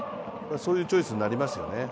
そういうチョイスになりますよね。